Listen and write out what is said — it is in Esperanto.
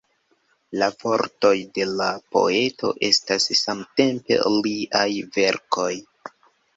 La vortoj de la poeto estas samtempe liaj verkoj.